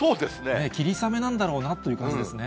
霧雨なんだろうなという感じですね。